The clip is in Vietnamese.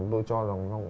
tôi cho vòng